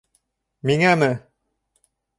Миңәме?